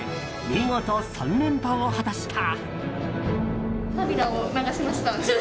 見事３連覇を果たした。